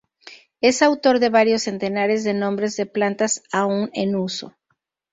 Es autor de varios centenares de nombres de plantas aún en uso.